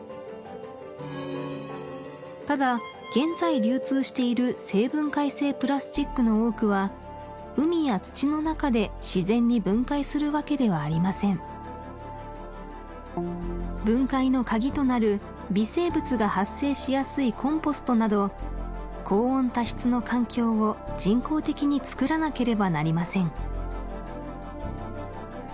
ただ現在流通している生分解性プラスチックの多くは海や土の中で自然に分解するわけではありません分解の鍵となる微生物が発生しやすいコンポストなど高温多湿の環境を人工的に作らなければなりません